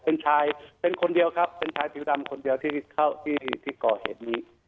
เป็นชายเป็นคนเดียวครับเป็นชายผิวดำคนเดียวที่เข้าที่ที่ก่อเหตุนี้